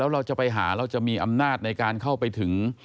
เราจะไปหาเราจะมีอำนาจในการเข้าไปถึง